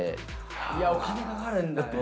いやお金かかるんだね。